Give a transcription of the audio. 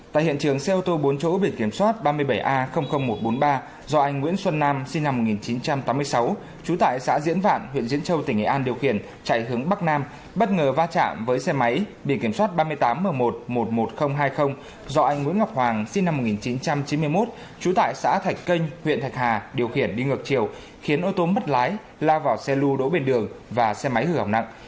tại hiện trường xe ô tô bốn chỗ bị kiểm soát ba mươi bảy a một trăm bốn mươi ba do anh nguyễn xuân nam sinh năm một nghìn chín trăm tám mươi sáu chú tại xã diễn vạn huyện diễn châu tỉnh nghệ an điều khiển chạy hướng bắc nam bất ngờ va chạm với xe máy bị kiểm soát ba mươi tám m một trăm một mươi một nghìn hai mươi do anh nguyễn ngọc hoàng sinh năm một nghìn chín trăm chín mươi một chú tại xã thạch kênh huyện thạch hà điều khiển đi ngược chiều khiến ô tô mất lái la vào xe lưu đỗ bên đường và xe máy hư hỏng nặng